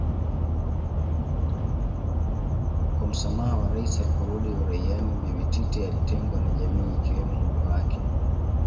kwa msamaha wa Rais aliporudi uraiani Bibi Titi alitengwa na jamii ikiwemo mume wake